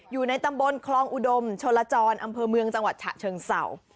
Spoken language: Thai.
อยู่ในตำบลคลองอุดมชลจรอำเภอเมืองจังหวัดฉะเชิงเศร้า